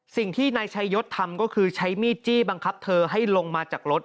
สิ่งที่นายชายศทำก็คือใช้มีดจี้บังคับเธอให้ลงมาจากรถ